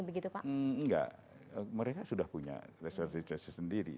mereka sudah punya resolusi justice sendiri